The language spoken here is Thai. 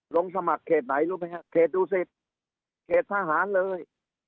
ลงสมัครเขตไหนรู้ไหมฮะเขตดูสิตเขตทหารเลย